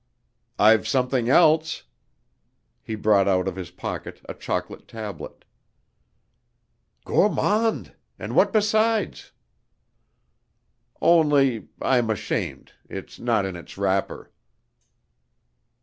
"I've something else...." He brought out of his pocket a chocolate tablet. "Gourmand! ... And what besides?..." "Only I'm ashamed. It's not in its wrapper."